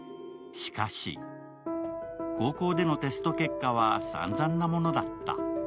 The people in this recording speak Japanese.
しかし高校でのテスト結果は散々なものだった。